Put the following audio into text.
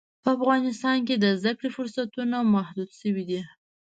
په افغانستان کې د زده کړې فرصتونه محدود شوي دي.